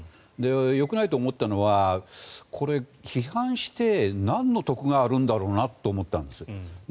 よくないと思ったのはこれ、批判してなんの得があるんだろうなと思ったんです。